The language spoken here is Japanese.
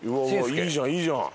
いいじゃんいいじゃん。